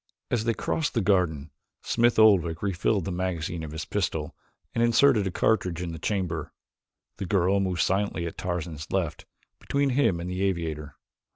As they crossed the garden, Smith Oldwick refilled the magazine of his pistol and inserted a cartridge in the chamber. The girl moved silently at Tarzan's left, between him and the aviator.